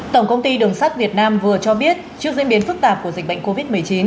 tổng công ty đường sắt việt nam vừa cho biết trước diễn biến phức tạp của dịch bệnh covid một mươi chín